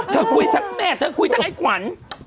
เธอคุยทั้งแม่เธอคุยสักไอ้กวัน